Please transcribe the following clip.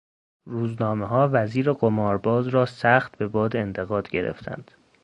روزنامهها وزیر قمار باز را سخت به باد انتقاد گرفتند.